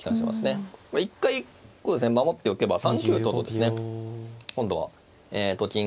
一回守っておけば３九ととですね今度はと金を。